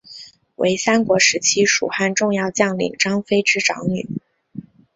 为三国时期蜀汉重要将领张飞之长女。